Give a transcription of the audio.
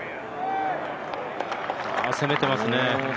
攻めてますね。